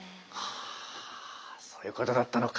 あそういうことだったのか。